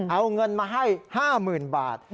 เอาเงินมาให้๕๐๐๐บาท